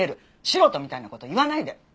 素人みたいな事言わないで！